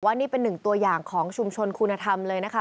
นี่เป็นหนึ่งตัวอย่างของชุมชนคุณธรรมเลยนะคะ